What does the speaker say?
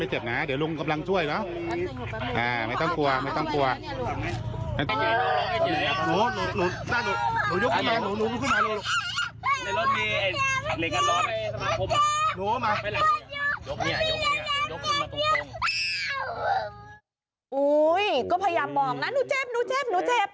อุ้ยก็พยายามบอกนะหนูเจ็บ